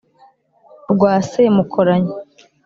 rwa semukoranyi